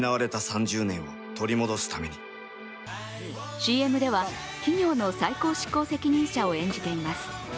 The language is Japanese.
ＣＭでは、企業の最高執行責任者をを演じています。